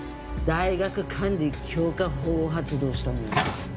大学管理強化法を発動したのよ。